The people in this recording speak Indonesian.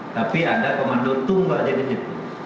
tapi ada komando tumbaknya di situ